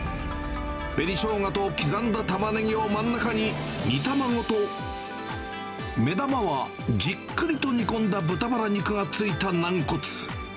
紅ショウガと刻んだタマネギを真ん中に、煮卵と、目玉はじっくりと煮込んだ豚バラ肉がついた軟骨。